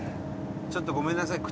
ちょっと、ごめんなさい。